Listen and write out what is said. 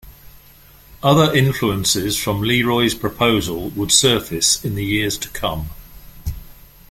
Other influences from LeRoy's proposal would surface in the years to come.